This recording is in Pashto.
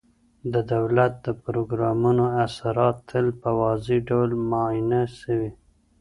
د دولت د پروګرامونو اثرات تل په واضح ډول معاینه سوي.